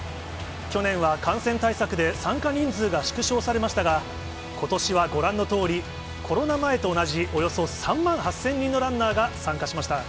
去年は感染対策で参加人数が縮小されましたが、ことしはご覧のとおり、コロナ前と同じおよそ３万８０００人のランナーが参加しました。